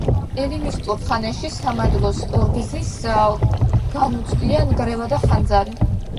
ელინისტურ ხანაში სამადლოს ორგზის განუცდია ნგრევა და ხანძარი.